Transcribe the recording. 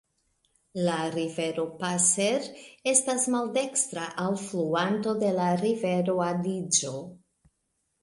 La rivero Passer estas maldekstra alfluanto de la rivero Adiĝo.